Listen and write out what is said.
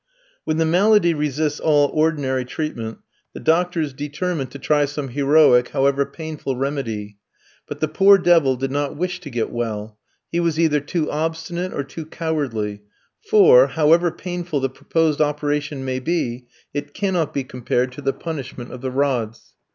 When the malady resists all ordinary treatment, the doctors determine to try some heroic, however painful, remedy. But the poor devil did not wish to get well, he was either too obstinate or too cowardly; for, however painful the proposed operation may be, it cannot be compared to the punishment of the rods.